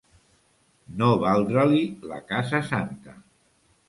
No valdre-li la casa santa.